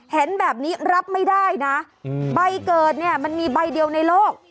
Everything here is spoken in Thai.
เห็นแบบนี้รับไม่ได้นะใบเกิดเนี่ยมันมีใบเดียวในโลก